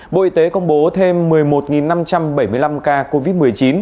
bộ y tế công bố thêm một mươi một năm trăm bảy mươi năm ca covid một mươi chín